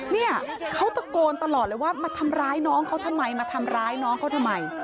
เนี่ยเขาตะโกนตลอดเลยว่ามาทำร้ายน้องเขาทำไมมาทำร้ายน้องเขาทำไม